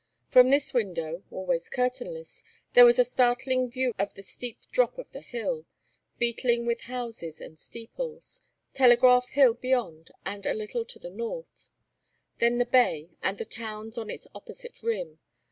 From this window, always curtainless, there was a startling view of the steep drop of the hill, beetling with houses and steeples, Telegraph Hill beyond and a little to the north; then the bay, and the towns on its opposite rim.